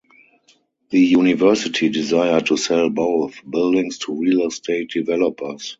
The university desired to sell both buildings to real estate developers.